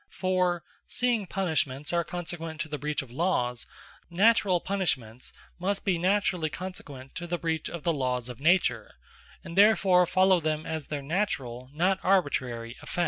For seeing Punishments are consequent to the breach of Lawes; Naturall Punishments must be naturally consequent to the breach of the Lawes of Nature; and therfore follow them as their naturall, not arbitrary effects.